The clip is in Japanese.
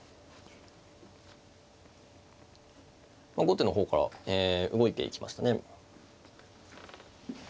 後手の方から動いていきましたね。